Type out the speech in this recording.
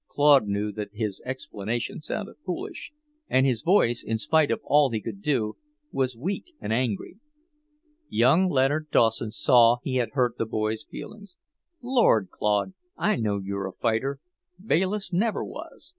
Claude knew that his explanation sounded foolish, and his voice, in spite of all he could do, was weak and angry. Young Leonard Dawson saw he had hurt the boy's feelings. "Lord, Claude, I know you're a fighter. Bayliss never was.